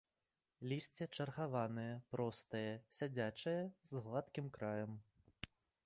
Лісце чаргаванае, простае, сядзячае, з гладкім краем.